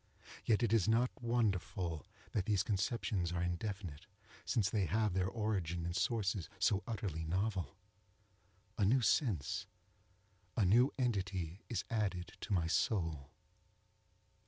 Yet it is not wonderful that these conceptions are indefinite, since they have their origin in sources so utterly novel. A new sense—a new entity is added to my soul.